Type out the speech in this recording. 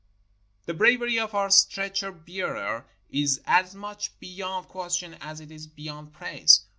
The bravery of our stretcher bearers is as much be yond question as it is beyond praise.